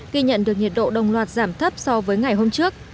ghi nhận được nhiệt độ đồng loạt giảm thấp so với ngày hôm trước